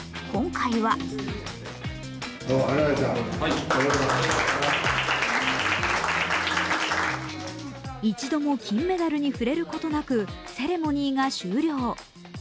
今回は一度も金メダルに触れることなくセレモニーが終了。